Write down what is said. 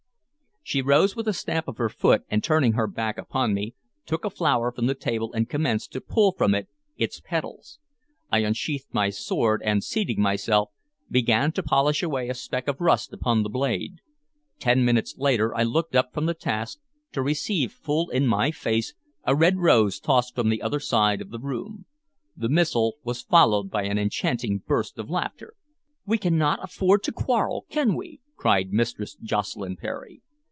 She rose with a stamp of her foot, and, turning her back upon me, took a flower from the table and commenced to pull from it its petals. I unsheathed my sword, and, seating myself, began to polish away a speck of rust upon the blade. Ten minutes later I looked up from the task, to receive full in my face a red rose tossed from the other side of the room. The missile was followed by an enchanting burst of laughter. "We cannot afford to quarrel, can we?" cried Mistress Jocelyn Percy.